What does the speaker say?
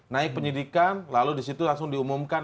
naik penyelidikan lalu di situ langsung diumumkan